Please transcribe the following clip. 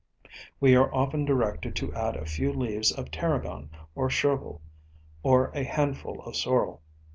We are often directed to add a few leaves of tarragon, or chervil, or a handful of sorrel.